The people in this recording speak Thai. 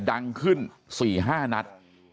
ดังขึ้น๔๕นัด